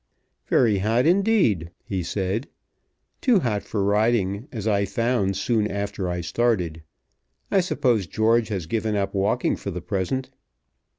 "Very hot, indeed," he said; "too hot for riding, as I found soon after I started. I suppose George has given up walking for the present."